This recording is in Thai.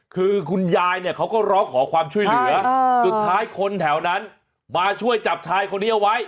คือคุณยายเนี่ยเขาก็ร้องขอความช่วยเหลือสุดท้ายคนแถวนั้นมาช่วยจับชายคนนี้เอาไว้